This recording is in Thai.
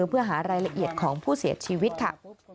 เพื่อหารายละเอียดของผู้เสียชีวิตค่ะ